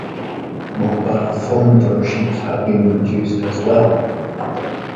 Mobile Phone versions have been produced as well.